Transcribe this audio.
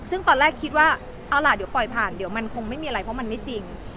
ซึ่งตอนแรกคิดว่าเอาล่ะเดี๋ยวปล่อยผ่านเดี๋ยวมันคงไม่มีอะไรเพราะมันไม่จริง